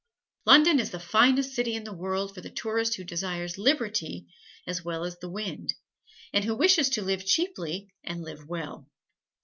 London is the finest city in the world for the tourist who desires liberty as wide as the wind, and who wishes to live cheaply and live well.